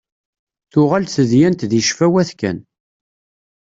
Tuɣal tedyant deg ccfawat kan.